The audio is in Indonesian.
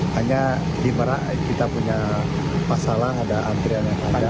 hanya di merak kita punya masalah ada antrian yang ada